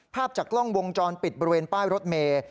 ภาพจากกล้องวงจรปิดบริเวณป้ายรถเมย์